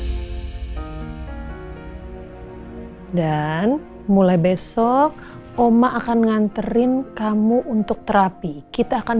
diterima terutama papa al dan mulai besok oma akan nganterin kamu untuk terapi kita akan